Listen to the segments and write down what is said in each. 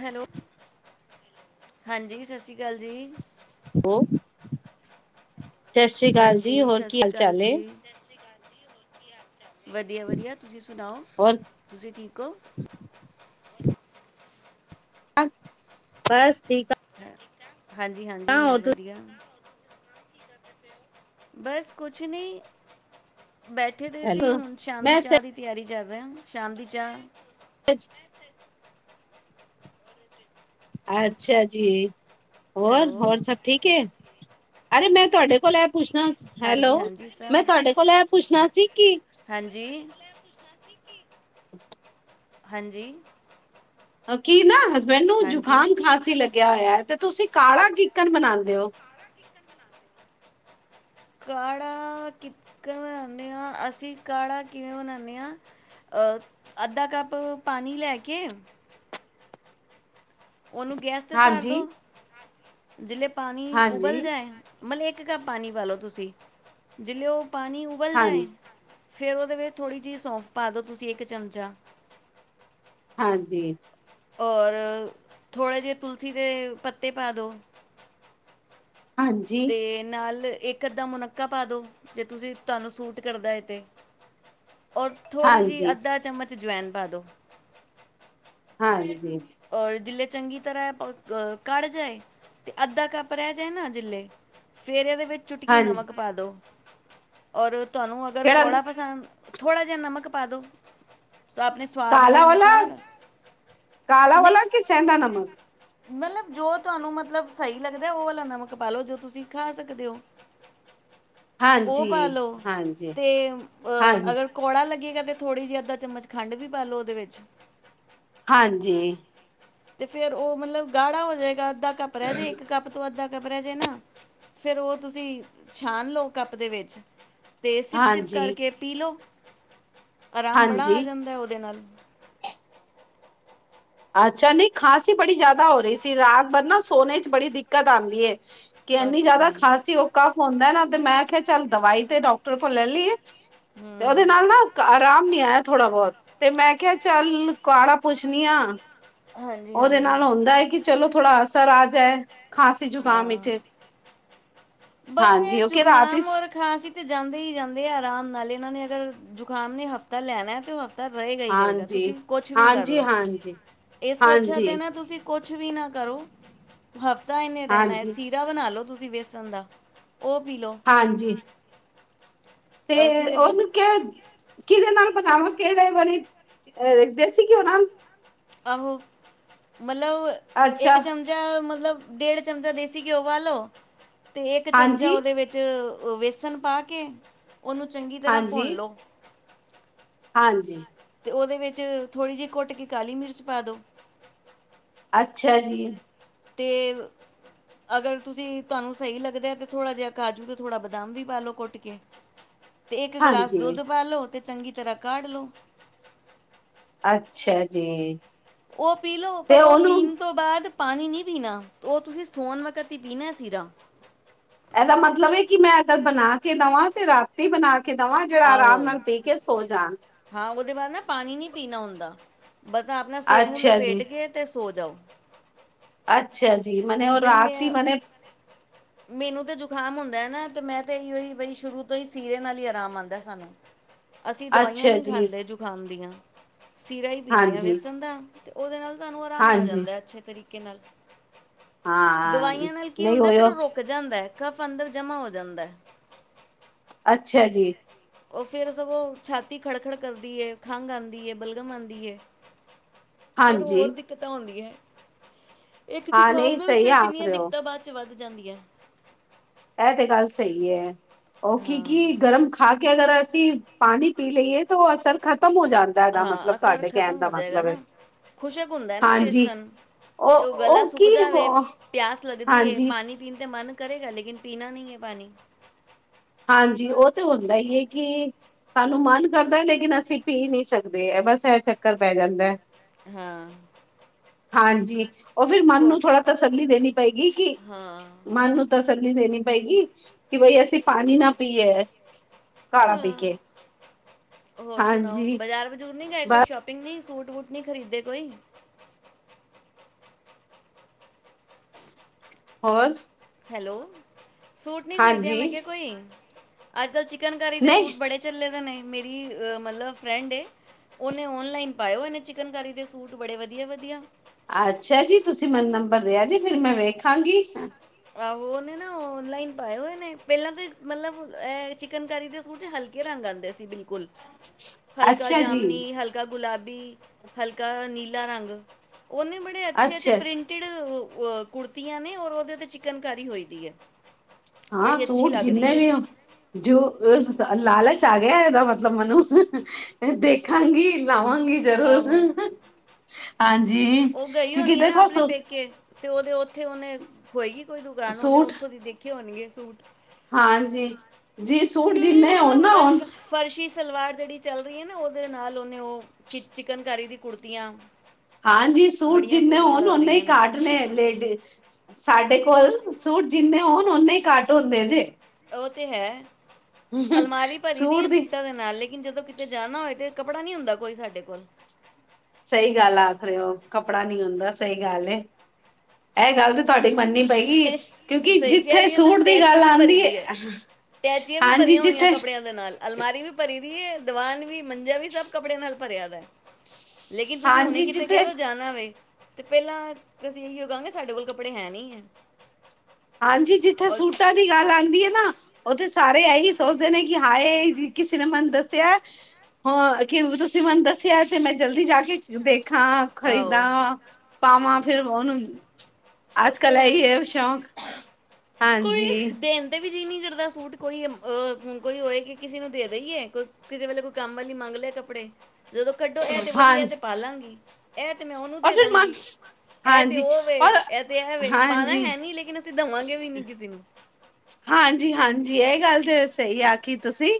Hello, ਹਾਂਜੀ ਸਸ਼੍ਰੀਕਾਲ ਜੀ। ਹੋ, ਸਤਿ ਸ਼੍ਰੀ ਕਾਲ ਜੀ, ਹੋਰ ਕੀ ਹਾਲ ਚਾਲ ਏ? ਸਤ ਸ਼੍ਰੀ ਕਾਲ ਜੀ, ਕੀ ਹਾਲ ਚਾਲ ਏ? ਵਦੀਆ-ਵਦੀਆ ਤੁਸੀਂ ਸੁਣਾਓ? ਹੋਰ ਤੁਸੀਂ ਠੀਕ ਔ? ਬਸ ਠੀਕ ਆ। ਹੈ, ਹਾਂਜੀ-ਹਾਂਜੀ, ਮੈਂ ਹੋਰ ਵਦੀਆ। ਬਸ ਕੁਛ ਨਈ, ਬੈਠੇ ਦੇ ਸੀ, ਹੈਲੋ ਹੁਣ ਸ਼ਾਮ ਦੀ ਮੈਂ ਚਾਹ ਦੀ ਤਿਆਰੀ ਕਰ ਰਿਹਾ ਹਾਂ। ਸ਼ਾਮ ਦੀ ਚਾਹ। ਅੱਛਾ ਜੀ। ਅੱਛਾ ਜੀ। ਹੋਰ, ਹੋਰ ਹੈਲੋ ਸਭ ਠੀਕ ਹੈ। ਅਰੇ ਮੈਂ ਤੁਹਾਡੇ ਕੋਲ ਇਹ ਪੁੱਛਣਾ ਹੈਲੋ, ਹਾਂਜੀ ਹਾਂਜੀ ਮੈਂ ਸਰ ਤੁਹਾਡੇ ਕੋਲ ਐ ਪੁੱਛਣਾ ਸੀ ਕਿ? ਹਾਂਜੀ। ਹਾਂਜੀ। ਕੀ ਨਾ ਹਸਬੈਂਡ ਨੂੰ ਹਾਂਜੀ ਜੁਕਾਮ, ਖਾਸੀ ਲੱਗਿਆ ਹੋਇਆ ਹੈ। ਤੇ ਤੁਸੀਂ ਕਾਹੜਾ ਕਿਕਨ ਬਣਾਉਂਦੇ ਹੋ। ਕਾੜਾ ਕਿਕਨ ਬਣਾਉਂਦੇ ਹਾਂ। ਅਸੀਂ ਕਾੜਾ ਕਿਵੇਂ ਬਣਾਉਂਦੇ ਹਾਂ। ਅ, ਅੱਧਾ ਕੱਪ ਪਾਣੀ ਲੈ ਕੇ ਉਹਨੂੰ ਗੈਸ ਤੇ ਧਰ ਦੋ। ਹਾਂਜੀ ਜਿਸਲੇ ਪਾਣੀ ਹਾਂਜੀ ਉਬਲ ਜਾਏ ਮਤਲਬ ਇੱਕ ਕੱਪ ਪਾਣੀ ਪਾ ਲਓ ਤੁਸੀਂ। ਜਲੇ ਉਹ ਪਾਣੀ ਉਬਲ ਜਾਏ। ਹਾਂਜੀ ਫਿਰ ਉਹਦੇ ਵਿੱਚ ਥੋੜ੍ਹੀ ਜਿਹੀ ਸੌਂਫ ਪਾ ਦਿਉ ਤੁਸੀਂ ਇੱਕ ਚਮਚਾ। ਹਾਂਜੀ। ਔਰ ਥੋੜ੍ਹੇ ਜਿਹੇ ਤੁਲਸੀ ਦੇ ਪੱਤੇ ਪਾ ਦਿਉ। ਹਾਂਜੀ। ਤੇ ਨਾਲ ਇੱਕ -ਅੱਧਾ ਮੁਨਕਾਾ ਪਾ ਦੋ ਜੇ ਤੁਸੀਂ ਤੁਹਾਨੂੰ ਸੂਟ ਕਰਦਾ ਹੈ ਤੇ। ਔਰ ਥੋੜ੍ਹੀ ਜਿਹੀ ਹਾਂਜੀ ਅੱਧਾ ਚਮਚ ਜਵਾੈਨ ਪਾ ਦੋ। ਹਾਂ ਜੀ। ਔਰ ਜੇ ਚੰਗੀ ਤਰ੍ਹਾਂ ਕੜ ਜਾਏ, ਅਤੇ ਅੱਧਾ ਕੱਪ ਰਹਿ ਜਾਏ ਨਾ ਜੇ ਫੇਰ ਇਹਦੇ ਵਿੱਚ ਚੁਟਕੀ ਹਾਂਜੀ ਨਮਕ ਪਾ ਦਿਉ। ਔਰ ਤੁਹਾਨੂੰ ਅਗਰ ਕਿਹੜਾ ਕੌੜਾ ਪਸੰਦ ਥੋੜ੍ਹਾ ਜਿਹਾ ਨਮਕ ਪਾ ਦਿਉ। ਆਪਣੇ ਸਵਾਦ ਦੇ ਕਾਲਾ ਵਾਲਾ ਅਨੁਸਾਰ। ਕਾਲਾ ਨਹੀਂ ਵਾਲਾ ਕਿ ਸੈਂਦਾ ਨਮਕ। ਮਤਲਬ ਜੋ ਤੁਹਾਨੂੰ ਮਤਲਬ ਸਹੀ ਲੱਗਦਾ ਉਹ ਵਾਲਾ ਨਮਕ ਪਾ ਲਓ ਜੋ ਤੁਸੀਂ ਖਾ ਸਕਦੇ ਹੋ। ਉਹ ਹਾਂਜੀ, ਪਾ ਲਓ। ਹਾਂਜੀ, ਅਤੇ ਹਾਂਜੀ, ਅਗਰ ਕੌੜਾ ਲੱਗੇਗਾ ਤੇ ਥੋੜ੍ਹੀ ਜਿਹੀ ਅੱਧਾ ਚਮਚ ਖੰਡ ਵੀ ਪਾ ਲ ਲੋ ਉਹਦੇ ਵਿੱਚ। ਹਾਂਜੀ। ਤੇ ਫੇਰ ਉਹ ਮਤਲਬ ਗਾੜਾ ਹੋ ਜਾਏਗਾ ਅੱਧਾ ਕੱਪ ਰਹਿ ਜੇ ਇੱਕ ਕੱਪ। ਕੱਪ ਤੋਂ ਅੱਧਾ ਕੱਪ ਰਿਹਾ ਜੇ ਨਾ, ਫੇਰ ਉਹ ਤੁਸੀਂ ਛਣ ਲਓ ਕੱਪ ਦੇ ਵਿੱਚ। ਅਤੇ ਸਿਪ- ਸਿਪ ਹਾਂਜੀ। ਕਰਕੇ ਪੀ ਲਉ। ਆਰਾਮ ਬੜਾ ਹਾਂਜੀ, ਆ ਜਾਂਦਾ ਉਹਦੇ ਨਾਲ। ਅੱਛਾ ਨਹੀਂ, ਖਾਸੀ ਹੀ ਬੜੀ ਜ਼ਿਆਦਾ ਹੋ ਰਹੀ ਸੀ ਰਾਤ ਬਰ ਨਾ ਸੋਨ ਚ' ਬੜੀ ਦਿੱਕਤ ਆਉਂਦੀ ਹੈ। ਕਿ ਇੰਨੀ ਅੱਛਾ ਜ਼ਿਆਦਾ ਖਾਂਸੀ ਉਹ ਕਾਫ ਹੰਦਾ ਨਾ ਤੇ ਮੈਂ ਕਿਹਾ ਚੱਲ ਦਵਾਈ ਤੇ ਡਾਕਟਰ ਕੋਲ ਲੈ ਲਈਏ। ਤੇ ਉਹਦੇ ਹੂੰ ਨਾਲ ਨਾ ਆਰਾਮ ਨੀ ਆਇਆ ਥੋੜਾ -ਬਹੁਤ। ਤੇ ਮੈਂ ਕਿਹਾ ਚੱਲ ਕੁਆੜਾ ਪੁੱਛਣੀ ਆ। ਹਾਂਜੀ ਉਹਦੇ ਹਾਂਜੀ ਨਾਲ ਹੁੰਦਾ ਹੈ ਕਿ ਚਲੋ ਥੋੜਾ ਅਸਰ ਆ ਜਾਏ, ਖਾਂਸੀ ਜ਼ੁਕਾਮ ਵਿਚ। ਬਰ ਹੈ ਜੁਕਾਮ ਔਰ ਖਾਂਸੀ ਤੇ ਜਾਂਦੇ ਹੀ ਜਾਂਦੇ ਆ ਆਰਾਮ ਨਾਲ ਇਹਨਾਂ ਨੇ ਅਗਰ ਜੁਕਾਮ ਨੇ ਹਫ਼ਤਾ ਲੈਣਾ ਤੇ। ਤਾਂ ਰਹੇਗਾ ਹੀ ਰਹੇਗਾ। ਹਾਂਜੀ, ਤੁਸੀਂ ਕੁਛ ਵੀ ਹਾਂਜੀ, ਕਰਲਓ। ਹਾਂਜੀ, ਇਸ ਤੋਂ ਅੱਛਾ ਦਿ ਹਾਂਜੀ, ਨਾ ਤੁਸੀਂ ਕੁਛ ਵੀ ਨਾ ਕਰੋ ਹਫ਼ਤਾ ਇੰਨੇ ਰਹਿਣਾ ਹੈ ਹਾਂਜੀ। ਸੀਰਾ ਬਣਾ ਲਉ ਤੁਸੀਂ ਬੇਸਣ ਦਾ ਉਹ ਪੀ ਲੋੋ ਹਾਂਜੀ। ਤੇ ਉਹਨੂੰ ਕਿਹਾ ਕਿਹਦੇ ਨਾਲ ਪਕਾਵਾਂ। ਕਿਹੜੇ ਵਾਰੀ ਦੇਸੀ ਘਿਉ ਨਾਲ। ਆਹੋ। ਮਤਲਬ ਇਕ ਅੱਛਾ ਚਮਚ ਚਮਚਾ ਮਤਲਬ ਡੇਢ ਚਮਚਾ ਦੇਸੀ ਘਿਓ ਪਾਲੋ। ਤੇ ਇੱਕ ਚਮਚਾ ਹਾਂਜੀ ਉਹਦੇ ਵਿੱਚ ਵਿੱਚ ਵੇਸਣ ਪਾ ਕੇ ਉਹਨੂੰ ਚੰਗੀ ਤਰ੍ਹਾਂ ਹਾਂਜੀ ਭੁੰਨ ਲਓ। ਹਾਂਜੀ। ਅਤੇ ਉਹਦੇ ਵਿੱਚ ਥੋੜ੍ਹੀ ਜਿਹੀ ਘੁੱਟ ਕੇ ਕਾਲੀ ਮਿਰਚ ਪਾ ਦਿਉ। ਅੱਛਾ ਜੀ ਅਤੇ ਅਗਰ ਤੁਸੀਂ ਤੁਹਾਨੂੰ ਸਹੀ ਲੱਗਦਾ ਤੇ ਥੋੜ੍ਹਾ ਜਿਹਾ ਕਾਜੂ ਤੇ ਥੋੜ੍ਹਾ ਬਦਾਮ ਵੀ ਪਾ ਲਓ ਕੁੱਟ ਕੇ ਤੇ ਇੱਕ ਗਲਾਸ ਹਾਂਜੀ ਦੁੱਧ ਪਾ ਲੋ ਤੇ ਚੰਗੀ ਤਰ੍ਹਾਂ ਕਾਢ ਲੋ ਅੱਛਾ ਜੀ ਉਹ ਪੀਲੋ ਤੇ ਪਰ ਉਹ ਉਹਨੂੰ ਪੀਣ ਤੋਂ ਬਾਅਦ ਪਾਣੀ ਨਹੀਂ ਪੀਣਾ ਉਹ ਤੁਸੀਂ ਸੋਨ ਵਕਤ ਹੀ ਪੀਣਾ ਸਿਰਾ ਇਹਦਾ ਮਤਲਬ ਹੈ ਕਿ ਮੈਂ ਅਗਰ ਬਣਾ ਕੇ ਦੇਵਾਂ ਤੇ ਰਾਤੀ ਬਣਾ ਕੇ ਕੇ ਦਵਾਂ ਜਿਹੜਾ ਆਹੋ ਆਰਾਮ ਨਾਲ ਬੀ ਕੇ ਸੋ ਜਾਣ ਹਾਂ ਉਹਦੇ ਬਾਅਦ ਨਾ ਪਾਣੀ ਨਹੀਂ ਪੀਣਾ ਹੁੰਦਾ ਬਸ ਆਪਣਾ ਸਿਰ ਨੂੰ ਅੱਛਾ ਜੀ ਲਪੇਟ ਕੇ ਅਤੇ ਸੋ ਜਾਓ ਅੱਛਾ ਜੀ ਮਨ ਉਹ ਬਈ ਰਾਤੀ ਮੈਂ ਮਨ ਮੈਨੂੰ ਤਾਂ ਜੁਕਾਮ ਹੁੰਦਾ ਹੈ ਨਾ ਤੇ ਮੈਂ ਤਾਂ ਇੋ ਹੀ ਬਈ ਸ਼ੁਰੂ ਤੋਂ ਹੀ ਸੀਰੇ ਨਾਲ ਹੀ ਆਰਾਮ ਆਉਂਦਾ ਸਾਨੂੰ [unintelligible] [inaudible] ਅਸੀਂ ਦਵਾਈਆਂ ਅੱਛਾ ਨਹੀਂ ਜੀ ਖਾਂਦੇ ਜੁਕਾਮ ਦੀਆਂ ਸੀਰਾ ਹੀ ਪੀਂਦੇ ਹਾਂ ਹਾਂਜੀ ਵੇਸਣ ਦਾ ਉਹਦੇ ਨਾਲ ਸਹਾਨੂੰ ਆਰਾਮ ਆ ਹਾਂਜੀ ਜਾਂਦਾ ਅੱਛੇ ਤਰੀਕੇ ਨਾਲ ਹਾਂ ਦਵਾਈਆਂ ਨਾਲ ਕੀ ਨਹੀਂ ਹੁੰਦਾ ਫਿਰ ਹੋਇਓ ਉਹ ਰੁਕ ਜਾਂਦਾ ਹੈ ਕਫ ਅੰਦਰ ਜਮਾ ਹੋ ਜਾਂਦਾ ਅੱਛਾ ਜੀ ਉਹ ਫਿਰ ਸਗੋਂ ਛਾਤੀ ਖੜ ਖੜ ਕਰਦੀ ਹੈ ਖੰਘ ਆਉਂਦੀ ਹੈ ਬਲਗਮ ਆਉਂਦੀ ਹੈ ਫੇਰ ਹਾਂਜੀ ਹੋਰ ਦਿੱਕਤਾਂ ਆਉਂਦੀਆਂ ਹੈ ਇੱਕ ਹਾਂ ਜੁਕਾਮ ਨਹੀਂ ਨਾਲ ਸਹੀ ਫਿਰ ਆਖ ਕਿੰਨੀਆਂ ਰਹੇ ਹੋ ਦਿੱਕਤਾਂ ਬਾਅਦ ਚ ਵੱਧ ਜਾਂਦੀਆਂ ਇਹ ਤੇ ਗੱਲ ਸਹੀ ਹੈ ਕਿ ਹਾਂ ਕੀ ਗਰਮ ਖਾ ਕੇ ਅਗਰ ਅਸੀਂ ਪਾਣੀ ਪੀ ਲਈਏ ਤਾਂ ਉਹ ਅਸਰ ਖ਼ਤਮ ਹੋ ਜਾਂਦਾ ਦਾ ਹਾਂ ਮਤਲਬ ਅਸਰ ਤੁਹਾਡੇ ਕਹਿਣ ਖ਼ਤਮ ਦਾ ਹੋ ਜਾਏਗਾ ਮਤਲਬ ਹੈ ਨਾ ਖੁਸ਼ਕ ਹੁੰਦਾ ਹੈ ਨਾ ਹਾਂਜੀ ਵੇਸਣ ਤੇ ਉਹ ਗਲਾ ਸੁੱਕਦਾ ਵੇ ਪਿਆਸ ਲੱਗਦੀ ਹਾਂਜੀ ਪਾਣੀ ਪੀਣ ਤਾਂ ਮਨ ਕਰੇਗਾ ਲੇਿ ਪੀਣਾ ਨਹੀਂ ਹੈ ਪਾਣੀ ਹਾਂਜੀ ਉਹ ਤੇ ਹੁੰਦਾ ਹੀ ਹੈ ਕਿ ਸਾਨੂੰ ਮਨ ਕਰਦਾ ਲੇਕਿਨ ਅਸੀਂ ਪੀ ਨਹੀਂੀ ਸਕਦੇ ਹੈ ਬਸ ਇਹ ਚੱਕਰ ਪੈ ਜਾਂਦਾ ਹਾਂ ਹਾਂਜੀ ਉਹ ਫਿਰ ਮਨ ਨੂੰ ਖੋਟ ਥੋੜਾ ਸੁਣਾਓ। ਤਸੱਲੀ ਦੇਣੀ ਪਏਗੀ ਕਿ ਹਾਂ ਮਨ ਨੂੰ ਤਸੱਲਲੀ ਦੇਣੀ ਪਏਗੀ ਕਿ ਬਾਈ ਅਸੀਂ ਪਾਣੀ ਨਾ ਪੀਏ ਕਾੜਾ ਪੀ ਹਾਂ ਕੇ ਹੋਰ ਸੁਣਾਓ ਹਾਂਜੀ ਬਾਜ਼ਾਰ ਬਜੂਰ ਨੀ ਗਏ ਕੋਈ ਬਸ ਸ਼ੋਪ ਪਿੰਨੀ ਸੂਟ ਵੂਟ ਨਹੀਂੀ ਖਰੀਦੇ ਕੋਈ ਹੋਰ ਹੈਲੋ ਸੂਟ ਨਹੀਂ ਖਰੀਦੇਿਆ ਹਾਂਜੀ ਮੈਂ ਕਿਹਾ ਕੋਈ ਅੱਜ ਕੱਲ੍ਹ ਚਿਕਨਕਾਰੀ ਦੇ ਸੂਟ ਨਹੀਂ ਬੜੇ ਚੱਲੇ ਦੇ ਨੇ ਮੇਰੀ ਮਤਲਬ ਫਰੈਂਡ ਏ ਉਹਨੇ ਓਨਲਾਈਨ ਪਾਏ ਹੋਏ ਨੇ ਚਿਕਨਕਾਰੀ ਦੇ ਸੂਟ ਬੜੇ ਵਧੀਆ-ਵਧੀਆ ਅੱਛਾ ਜੀ ਤੁਸੀਂ ਮੈਨੂੰ ਨੰਬਰ ਦੇਿਆ ਜੇ ਫਿਰ ਮੈਂ ਵੇਖਾਂਗੀ ਆਹੋ ਉਹਨੇ ਨਾ ਔਨਲਾਈਨ ਪਾਏ ਹੋਏ ਨੇ ਪਹਿਲਾਂ ਤੇ ਮਤਲਬ ਚਿਕਨ ਕਰੀ ਦੇ ਸੂਟ ਹਲਕੇ ਰੰਗ ਆਉਂਦੇ ਸੀ ਬਿਲਕੁਲ ਹਲਕਾ ਅੱਛਾ ਜੀ ਜਾਮਣੀ ਹਲਕਾ ਗੁਲਾਬੀ ਹਲਕਾ ਨੀਲਾ ਰੰਗ ਓਨੇ ਬੜੇ ਅੱਛੇ-ਅਛੇ ਅੱਛਾ ਪ੍ਰਿੰਟੀਡ ਕੁੜਤੀਆਂ ਨੇ ਔਰ ਓਦੇ ਚ ਚਿਕਨਕਾਰੀ ਹੋਈ ਦੀ ਹੈ ਹਾਂ ਬੜੀ ਅੱਛੀ ਸੂਟ ਲੱਗ ਜਿੰਨੇ ਰਹੀ ਹੈ ਵੀ ਹੋਨ ਜੋ ਲਾਲਚ ਆ ਗਿਆ ਇਹਦਾ ਮਤਲਬ ਮੈਨੂੰ ਦੇਖਾਂਗੀ ਲਾਵਾਂਗੀ ਆਹੋ ਜ਼ਰੂਰ ਹਾਂਜੀ ਉਹ ਗਈ ਕਿਉਂਕਿ ਹੋਣੀ ਹੈ ਨਾ ਦੇਖੋ ਆਪਣੇ ਸੂ ਪੇਕੇ ਤੇ ਓਦੇ ਉੱਥੇ ਉਹਓਹਨੇ ਹੋਏਗੀ ਕੋਈ ਦੁਕਾਨ ਉਹਨੇ ਸੂਟ ਉੱਥੋਂ ਦੀ ਦੇਖਿਆ ਹੋਣਗੇ ਸੂਟ ਹਾਂਜੀ ਜੀ ਫ ਸੂਟ ਜਿੰਨੇ ਹੋਣ ਮਤਲਬ ਨਾ ਅਰਸ਼ ਹੋਣ ਫਰਸ਼ੀ ਸਲਵਾਰ ਜਿਹੜੀ ਚੱਲ ਰਹੀ ਹੈ ਨਾ ਉਹਦੇ ਨਾਲ ਉਹਨੇ ਉਹ ਕਿ ਚਿਕਨਕਾਰੀ ਦੀ ਕੁੜਤੀਆਂ ਹਾਂਜੀ ਸੂਟ ਬੜੀਆਂ ਜਿੰਨੇ ਸੋਹਣੀਆਂ ਹੋਣ ਲੱਗ ਓਨੇ ਹੀ ਰਹੀਆਂ ਨੇ ਘਾਟਣੇ ਲੇਡੀ ਸਾਡੇ ਕੋਲ ਸੂਟ ਜਿੰਨੇ ਹੋਣ ਓਹਨੇ ਹੀ ਘੱਟ ਹੁੰਦੇ ਜੇ ਉਹ ਤੇ ਹੈ ਅਲਮਾਰੀ ਭਰੀ ਦੀ ਹੈ ਸੂਟਾਂ ਦੇ ਨਾਲ ਲੇਕਿਨ ਜਦੋਂ ਕਿਤੇ ਜਾਣਾ ਹੋਏ ਤੇ ਕਪੜਾ ਨੀ ਹੁੰਦਾ ਕੋਈ ਸਾਡੇ ਕੋਲ ਸਹੀ ਗੱਲ ਆਖ ਰਹੇ ਹੋ ਕੱਪੜਾ ਨੀ ਹੁੰਦਾ ਸਹੀ ਗੱਲ ਇਹ ਗੱਲ ਤੇ ਤੁਹਾਡੀ ਮੰਨ ਨੀ ਸਹੀ ਕਿਉਂਕਿ ਸਹੀ ਕਹਿ ਜਿੱਥੇ ਰਹੀ ਹੈ ਨਾ ਸੂਟ ਦੀ ਟੈਚੀ ਗੱਲ ਵੀ ਭਰੀ ਆਉਂਦੀ ਹੈ ਦੀ ਟੈਚੀਆਂ ਵੀ ਹਾਂਜੀ ਭਰੀਆਂ ਹੋਈਆਂ ਜਿੱਥੇ ਕੱਪੜਿਆਂ ਦੇ ਨਾਲ ਅਲਮਾਰੀ ਵੀ ਭਰੀ ਦੀ ਹੈ, ਦੀਵਾਨ ਵੀ ਮੰਜਾ ਵੀ ਸਭ ਕੱਪੜਿਆਂ ਨਾਲ ਭਰਿਆ ਦਾ ਲੇਕਿਨ ਤੁਸੀਂ ਹੁਣੇ ਹਾਂਜੀ ਕਿਥ ਕਹਿ ਜਿੱਥੇ ਦੋ ਜਾਣ ਤੇ ਪਹਿਲਾਂ ਅਸੀਂ ਇਹੀ ਉਹ ਕਹਾਂਗੇ ਸਾਡੇ ਕੋਲ ਕੱਪੜੇ ਹੈ ਨਹੀਂ ਹੈ ਹਾਂਜੀ ਜਿੱਥੇ ਔਰ ਸੂਟਾਂ ਦੀ ਗੱਲ ਆਉਂਦੀ ਹੈ ਨਾ ਉਹਥੇ ਸਾਰੇ ਇਹੀ ਸੋਚਦੇ ਨੇ ਕਿ ਹਾਏ ਕਿਸੇ ਨੇ ਮੈਨੂੰ ਦੱਸਿਆ ਹ ਕਿ ਤੁਸੀਂ ਮੈਨੂੰ ਦੱਸਿਆ ਤੇ ਮੈਂ ਜਲਦੀ ਜਾ ਕੇ ਵੇਖਾਂ ਆਹੋ ਖਰੀਦਾਂ ਪਾਵਾਂ ਫੇਰ ਉਹਨੂੰ ਉਹ ਅੱਜ ਕੱਲ ਤੇ ਇਹੀ ਹੈ ਸ਼ੌਕ ਕੋਈ ਹਾਂਜੀ ਦੇਨ ਤੇ ਵੀ ਜੀ ਨਹੀਂ ਕਰਦਾ ਸੂਟ ਕੋਈ ਅਹ ਕੋਈ ਹੋਏ ਕਿ ਕਿਸੇ ਨੂੰ ਦੇ ਦੇਈਏ ਕੋਈ ਕਿਸੇ ਵੇਲੇ ਕੋਈ ਕੰਮ ਵਾਲੀ ਮੰਗ ਲਏ ਕੱਪੜੇ ਜਦੋਂ ਕੱਢੋ ਇਹ ਤੇ ਵਧੀਆ ਇਹ ਤੇ ਹਾਂਜੀ ਪਾਲਵਾਂਗੀ ਇਹ ਤੇ ਮੈਂ ਉਹਨੂੰ ਔਰ ਦੇ ਫਿਰ ਮ ਦਾਂਗੀ ਇਹ ਤੇ ਹਾਂਜੀ ਉਹ ਵੇ ਔਰ ਇਹ ਤੇ ਇਹ ਵੇ ਪਾਣਾ ਹਾਂਜੀ ਹੈ ਨੀ ਲੇਕ ਲੇਕਿਨ ਅਸੀਂ ਦੇਵਾਂਗੇ ਵੀ ਨਹੀਂ ਕਿਸੇ ਨੂੰ ਹਾਂਜੀ-ਹਾਂਜੀ ਇਹ ਗੱਲ ਤੇ ਸਹੀ ਆਖੀ ਤੁਸੀਂ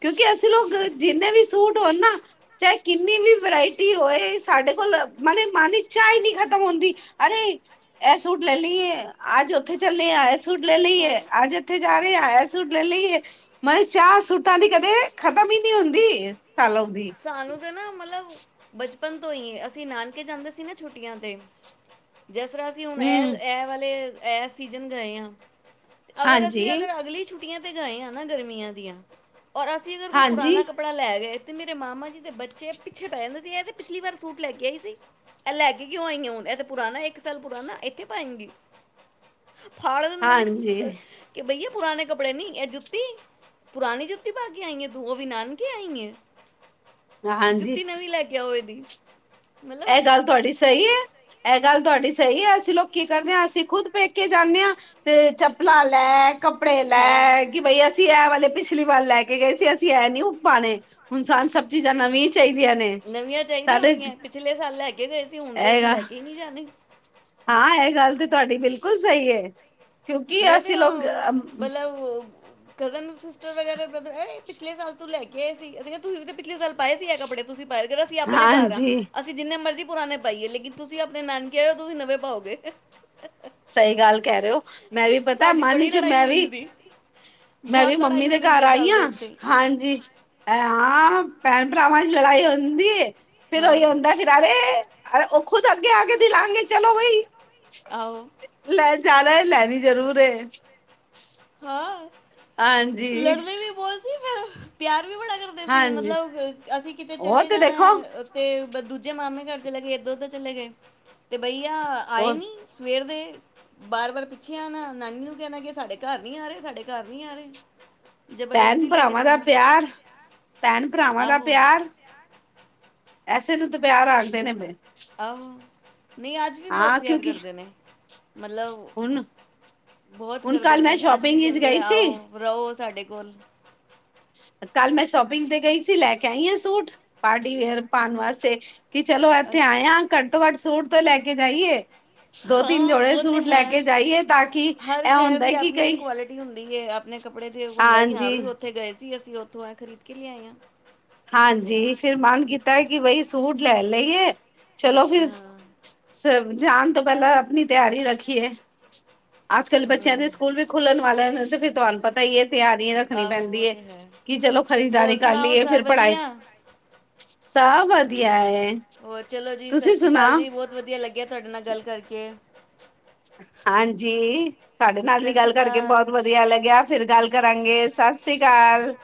ਕਿਉਂਕਿ ਅਸੀਂ ਲੋਕ ਜਿੰਨੇ ਵੀ ਸੂਟ ਹੋਣ ਨਾ ਚਾਹੇ ਕਿੰਨੀ ਵੀ ਵਰਾਇਟੀ ਹੋਵੇ ਸਾਡੇ ਕੋਲ ਮਨ ਮਨ ਦੀ ਚਾਹ ਨਹੀਂ ਖਤਮ ਹੁੰਦੀ ਅਰੇ ਇਹ ਸੂਟ ਲੈ ਲਈਏ, ਅੱਜ ਉੱਥੇ ਚੱਲੇ ਆ ਇਹ ਸੂਟ ਲੈ ਹਾਂ ਲਈਏ ਅੱਜ ਇੱਥੇ ਜਾ ਰਹੇ ਆ ਏ ਸੂਟ ਲੈ ਲਈਏ ਮਨ ਚ ਚਾਹ ਸੂਟਾਂ ਦੀ ਕਦੇ ਖਤਮ ਹੀ ਨਹੀਂ ਹੁੰਦੀ ਸਾਨੂੰ ਵੀ ਸਾਨੂੰ ਤਾਂ ਨਾ ਮਤਲਬ ਬਚਪਨ ਤੋਂ ਹੀ ਹੈ, ਅਸੀਂ ਨਾਨਕੇ ਜਾਂਦੇ ਸੀ ਨਾ ਛੁੱਟੀਆਂ ਤੇ ਜਿਸ ਤਰ੍ਹਾਂ ਅਸੀਂ ਹੁਣ ਹੂੰ ਇਹ-ਇਹ ਵਾਲੇ ਐ ਸੀਜ਼ਨ ਗਏ ਹਾਂ ਅਗਰ ਅਸੀਂ ਅਗਰ ਅਗਲੀ ਛੁੱਟੀਆਂ ਤੇ ਗਾਏ ਹਾਂ ਨਾ ਗਰਮੀਆਂ ਦੀਆਂ ਔਰ ਅਸੀਂ ਅਗਰ ਕੋਈ ਪੁਰਾਣਾ ਕੱਪੜਾ ਲੈ ਗਏ ਮੇਰੇ ਮਾਮਾ ਜੀ ਦੇ ਬੱਚੇ ਪਿੱਛੇ ਪੈ ਜਾਂਦੇ ਸੀ ਆ ਤੇ ਪਿਛਲੀ ਵਾਰ ਸੂਟ ਲੈ ਕੇ ਆਈ ਸੀ ਇਹ ਲੈ ਕੇ ਕਿਉਂ ਆਈਆਂ ਹੁਣ ਇਹ ਤਾਂ ਪੁਰਾਣਾ ਇੱਕ ਸਾਲ ਪੁਰਾਣਾ ਇੱਥੇ ਪਾਏਂਗੀ ਫਾੜ ਦਿੰਦੇ ਨੇ ਹਾਂਜੀ-ਹਾਂਜੀ-ਹਾਂਜੀ-ਹਾਂਜੀ ਕਿ ਭਈਆ ਪੁਰਾਣੇ ਕੱੜੇ ਨਹੀਂ ਇਹ ਜੁੱਤੀ ਪੁਰਾਣੀ ਜੁੱਤੀ ਪਾ ਕੇ ਆਈ ਹੈ ਤੁ ਉਵੀ ਨਾਨਕੇ ਆਈ ਹੈ ਜੁੱਤੀ ਨਵੀਂ ਲੈ ਕੇ ਆਓ ਇਹਦੀ ਇਹ ਮਤਲਬ ਗੱਲ ਤੁਹਾਡੀ ਸਹੀ ਹੈ ਇਹ ਗੱਲ ਤੁਹਾਡੀ ਸਹੀ ਹੈ। ਅਸੀਂ ਲੋਕੀ ਕਰਦੇ ਹਾਂ ਅਸੀਂ ਖੁਦ ਪੇਕੇ ਜਾਂਦੇ ਹਾਂ। ਤੇ ਚੱਪਲਾਂ ਲੈ, ਕੱਪੜੇ ਹਾਂ ਲੈ, ਕਿ ਬਈ ਅਸੀਂ ਅਸੀਂ ਇਹ ਵਾਲੇ ਪਿਛਲੀ ਵਾਰ ਲੈ ਕੇ ਗਏ ਸੀ ਅਸੀਂ ਇਹਂ ਨੀ ਪਾਉਣੇ ਹੁਣ ਸਾਨੂੰ ਸਭ ਚੀਜ਼ਾਂ ਨਵੀਂ ਚਾਹੀਦੀਆਂ ਨੇ ਨਵੀਆਂ ਚਾਹੀਦੀਆਂ ਸਾਡੇ ਹੁੰਦੀਆਂ ਪਿਛਲੇ ਸਾਲ ਲੈਕੇ ਗਏ ਸੀ, ਹੁਣ ਤੇ ਇਹ ਅਸੀਂ ਗ ਲੈਕੇ ਹੀ ਨਹੀਂ ਜਾਣੇ। ਹਾਂ, ਐ ਗੱਲ ਤੇ ਤੁਹਾਡੀ ਬਿਲਕੁਲ ਸਹੀ ਹੈ। ਕਿਉਂਕਿ ਮੈਂ ਤੇ ਅਸੀਂ ਲੋਕ ਮਤਲਬ ਉਹ ਕਜ਼ਨ ਸਿਸਟਰ ਵਗੈਰਾ ਬ੍ਰਦਰ ਪਿਛਲੇ ਸਾਲ ਤੂੰ ਲੈ ਕੇ ਆਏ ਸੀ, ਤੁਸੀਂ ਤਾਂ ਪਿਛਲੇ ਸਾਲ ਪਾਏ ਸੀ ਆ ਕਪੜੇ। ਤੁਸੀਂ ਪਾਈ ਚਲੋ ਅਸੀਂ ਆਪਣੇ ਘਰ ਆ ਹਾਂਜੀ ਅਸੀਂ ਅਸੀਂ ਜਿੰਨੇ ਮਰਜ਼ੀ ਪੁਰਾਣੇ ਪਾਈਏ ਲੇਕਿਨ ਤੁਸੀਂ ਆਪਣੇ ਨਾਨਕੇ ਆ ਹੋ ਤੁਸੀਂ ਨਵੇਂ ਪਾਓਗੇ। ਸਹੀ ਗੱਲ ਕਹਿ ਰਹੇ ਹੋ। ਮੈਂ ਵੀ ਪਤਾ ਸਾਡੀ ਮਨ ਬੜੀ ਚ ਲੜਾਈ ਮੈਂ ਹੁੰਦੀ ਵੀ ਸੀ ਮੈਂ ਵੀ ਬਹੁਤ ਮੰਮੀ ਲੜਾਈ ਦੇ ਹੁੰਦੀ ਸੀ ਘਰ ਇਹ ਆਈ ਗੱਲ ਦੇ ਹਾਂ ਉੱਤੇ ਹਾਂਜੀ। ਹਾਂ ਭੈਣ ਭਰਾਵਾਂ ਚ ਲੜਾਈ ਹੁੰਦੀ ਫਿਰ ਉਹੀ ਹਾਂ ਹੁੰਦਾ ਫਿਰਾਰੇ ਉਹ ਖੁਦ ਅੱਗੇ ਆ ਕੇ ਦਿਲਾਂਗੇ ਚਲੋ ਬਈ। ਆਹੋ। ਲੈ ਜਾਣਾ ਹੈ, ਲੈਣੀ ਜ਼ਰੂਰ ਏ। ਹਾ ਹਾਂਜੀ। ਬੋਲ ਸੀ ਫਿਰ, ਪਿਆਰ ਵੀ ਬੜਾ ਕਰਦੇ ਸੀ। ਹਾਂਜੀ ਮਤਲਬ ਅਸੀਂ ਕਿਤੇ ਉਹ ਚਲੇ ਤੇ ਜਾਣਾ ਦੇਖੋ ਏ ਤੇ, ਦੂਜੇ ਮਾਮੇ ਘਰ ਚਲੇ ਗਏ, ਇੱਧਰ-ਓਧਰ ਚਲੇ ਗਏ, ਤੇ ਬਈਆ ਆਏ ਉਹ ਨੀ। ਸਵੇਰ ਦੇ ਬਾਰ-ਬਾਰ ਪਿੱਛੇ ਆਨਾ, ਨਾਨੀ ਨੂੰ ਕਹਿਣਾ, ਕਿ ਸਾਡੇ ਘਰ ਨੀ ਆ ਰਹੇ, ਸਾਡੇ ਘਰ ਨੀ ਆ ਰਹੇ। ਜ਼ਬਰਦਸਤੀ ਲੈ ਕੇ ਭੈਨ-ਭਰਾਵਾਂ ਦਾ ਜਾਣਾ ਪਿਆਰ, ਭੈਨ- ਭਰਾਵਾਂ ਦਾ ਆਹੋ ਪਿਆਰ ਐਸੇ ਨੂੰ ਤਾ ਪਿਆਰ ਆਖਦੇ ਨੇ, ਫਿਰ। ਅ ਨਹੀਂ ਆਜ ਵੀ ਬਹੁਤ ਹਾਂ ਪਿਆਰ ਕਿਉਂਕਿ ਕਰਦੇ ਨੇ, ਮਤਲਬ ਹੁਣ ਬਹੁਤ ਹੁਣ ਕਰਦੇ ਕੱਲ ਮੈਂ ਨੇ, ਅੱਜ ਵੀ ਸ਼ੋਪਿੰਗ ਵਿੱਚ ਕਹਿੰਦੇ ਆ, ਗਈ ਆਓ, ਸੀ ਰਹੋ ਸਾਡੇ ਕੋਲ। ਕੱਲ ਮੈਂ ਸ਼ੋਪਿੰਗ ਤੇ ਗਈ ਸੀ, ਲੈਕੇ ਆਂਈ ਆ ਸੂਟ ਪਾਰਟੀ ਵੇਅਰ ਪਾਉਣ ਵਾਸਤੇ। ਕੀ ਚਲੋ ਇੱਥੇ ਅੱਛਾ ਆਏਆਂ, ਘੱਟ ਤੋਂ ਘੱਟ ਸੂਟ ਤੋ ਲੈਕੇ ਜਾਈਏ। ਦੋ-ਤਿੰਨ ਹਾਂ ਜੋੜੇ ਉਹ ਤੇ ਸੂਟ ਹੈ ਲੈਕੇ ਜਾਈਏ ਤਾਕੀ, ਐ ਹੁੰਦਾ ਕਿ ਕਈ ਹੁੰਦੀਏ, ਆਪਣੇ ਕੱਪੜੇ ਤੇ ਹੁੰਦਾ ਕਿ ਹਾਂ ਹਾਂਜੀ ਵੀ, ਉੱਥੇ ਗਏ ਸੀ। ਅਸੀਂ ਉੱਥੋਂ ਆ ਖਰੀਦਕੇ ਲਿਆਏ ਆਂ। ਹਾਂਜੀ, ਫਿਰ ਮਨ ਕੀਤਾ ਕਿ, ਬਈ ਸੂਟ ਲੈ ਲਈਏ, ਚਲੋ ਫਿਰ ਹਾਂ ਸ ਜਾਣ ਤੋਂ ਪਹਿਲਾ ਆਪਣੀ ਤਿਆਰੀ ਰੱਖੀਏ। ਅੱਜ-ਕੱਲ ਬੱਚਿਆਂ ਦੇ ਹਮ ਸਕੂਲ ਵੀ ਖੁਲਣ ਵਾਲ ਨੇ ਤੇ, ਫਿਰ ਤੁਹਾਨੂੰ ਪ ਤਾ ਹੀ ਇਹ ਤਿਆਰੀ ਰੱਖਣੀ ਆਹੋ ਉਹ ਪੈਂਦੀ ਹੈ, ਤੇ ਕਿ ਚਲੋ ਹੋਰ ਖਰੀਦਦਾਰੀ ਕਰ ਸੁਣਾਓ ਲਈਏ ਫਿਰ ਸਭ ਪੜ੍ਹਾਈ ਵਧੀਆ ਸਭ ਵਧੀਆ ਏ। ਹੋਰ, ਚਲੋ ਜੀ, ਸਤਿ ਸ਼੍ਰੀ ਅਕਾਲ ਜੀ। ਬਹੁਤ ਵਧੀਆ ਲੱਗਿਆ ਤੁਹਾਡੇ ਨਾਲ ਗਲ ਕਰਕੇ। ਹਾਂਜੀ, ਧਾਡੇ ਨਾਲ ਵੀ ਸਤਿ ਸ਼੍ਰੀ ਗੱਲ ਕਰਕੇ ਅਕਾਲ ਬਹੁਤ ਵਧੀਆ ਲੱਗਿਆ। ਫਿਰ ਗੱਲ ਕਰਾਂਗੇ, ਸਤਿ ਸ੍ਰੀ ਅਕਾਲ।